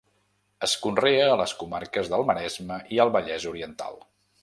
Es conrea a les comarques del Maresme i el Vallès Oriental.